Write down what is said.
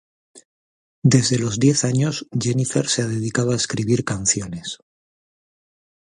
Desde los diez años Jennifer se ha dedicado a escribir canciones.